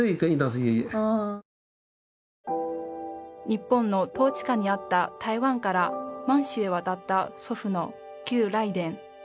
日本の統治下にあった台湾から満州へ渡った祖父の邱来伝